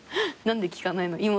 何で聞かないの？